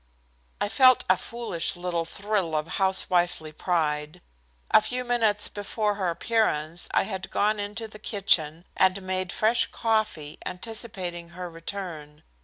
I felt a foolish little thrill of housewifely pride. A few minutes before her appearance I had gone into the kitchen and made fresh coffee, anticipating her return.